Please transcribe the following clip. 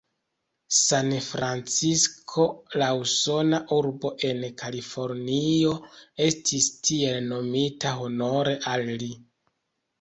Sanfrancisko, la usona urbo en Kalifornio, estis tiel nomita honore al li.